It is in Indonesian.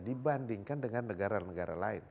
dibandingkan dengan negara negara lain